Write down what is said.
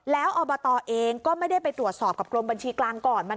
แล้วอบตเองก็ไม่ได้ไปตรวจสอบกับกรมบัญชีกลางก่อน